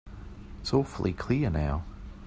It's awfully clear now.